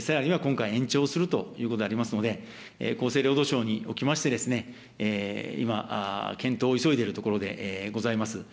さらには今回延長するということでありますので、厚生労働省におきまして、今、検討を急いでいるところでございます。